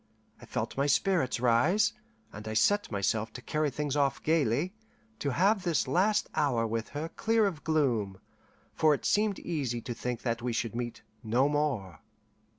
I felt my spirits rise, and I set myself to carry things off gaily, to have this last hour with her clear of gloom, for it seemed easy to think that we should meet no more.